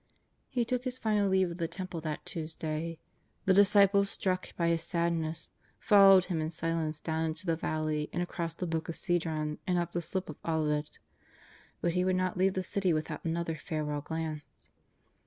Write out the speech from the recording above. '' He took His final leave of the Temple that Tuesday. The disciples, struck by His sadness, followed Him in silence down into the valley and across the brook Ced ron and up the slope of Olivet. But He could not leave the city without another farewell glance.